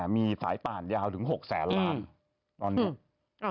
มีสายป่านยาวถึง๖แสนล้านตอนนี้